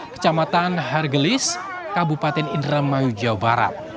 kecamatan hargelis kabupaten indramayu jawa barat